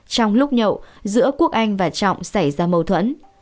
trong lúc nhậu giữa quốc anh và trọng xảy ra mâu thuẫn